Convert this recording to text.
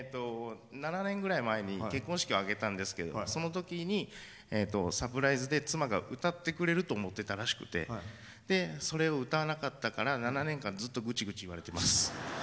７年ぐらい前に結婚式を挙げたんですけどそのときに、サプライズで妻が歌ってくれると思ってくれていたらしくてで、それを歌わなかったから７年間、ずっとぐちぐち言われてます。